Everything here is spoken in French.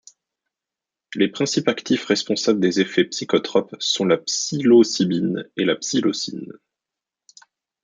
Les principes actifs responsables des effets psychotropes sont la psilocybine et la psilocine.